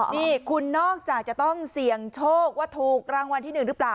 นี่คุณนอกจากจะต้องเสี่ยงโชคว่าถูกรางวัลที่๑หรือเปล่า